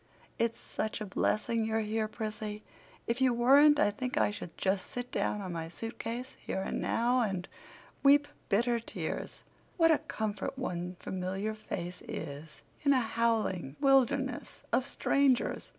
"It's such a blessing you're here, Prissy. If you weren't I think I should just sit down on my suitcase, here and now, and weep bitter tears. What a comfort one familiar face is in a howling wilderness of strangers!"